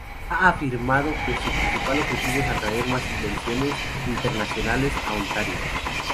Ha afirmado que su principal objetivo es atraer más inversiones internacionales a Ontario.